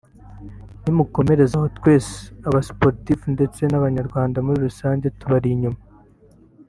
nimukomereze aho twese aba Sportif ndetse n’ abanyarwanda muri rusanjye tubari inyuma